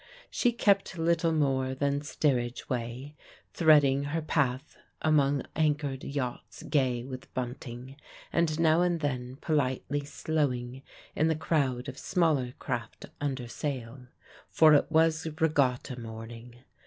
She kept little more than steerage way, threading her path among anchored yachts gay with bunting, and now and then politely slowing in the crowd of smaller craft under sail. For it was regatta morning.